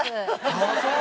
ああそう！